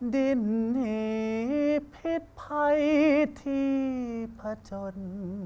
ดินหนีพิษภัยที่ผจญ